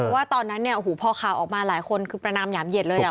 ว่าตอนนั้นพอข่าวออกมาหลายคนคุณประนำหยามเหย็บเลย